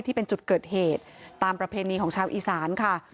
ที่เป็นจุดเกิดเหตุตามประเพณีของชาวอีสานค่ะ